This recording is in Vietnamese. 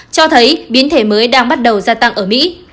cho thấy biến thể mới đang bắt đầu gia tăng ở mỹ